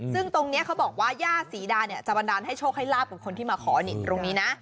ซึ่งตรงนี้เขาบอกว่าย่าศรีดาเนี่ยจะบันดาลให้โชคให้ลาบกับคนที่มาขอนี่ตรงนี้นะ